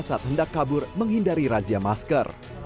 saat hendak kabur menghindari razia masker